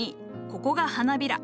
ここが花びら。